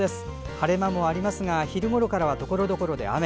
晴れ間もありますが昼ごろからはところどころで雨。